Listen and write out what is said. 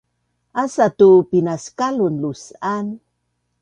asa tu pinaskalun lus’an